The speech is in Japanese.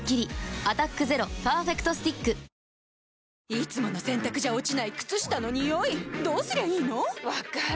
いつもの洗たくじゃ落ちない靴下のニオイどうすりゃいいの⁉分かる。